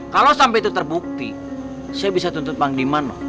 kalau sampai itu terbukti saya bisa tuntut bang diman